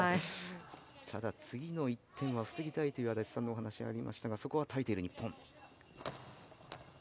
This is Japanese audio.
次の１点は防ぎたいというお話がありましたがそこは耐えている日本。